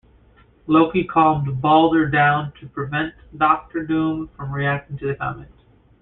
Loki calmed Balder down to prevent Doctor Doom from reacting to the comment.